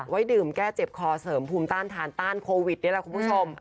ดื่มแก้เจ็บคอเสริมภูมิต้านทานต้านโควิดนี่แหละคุณผู้ชม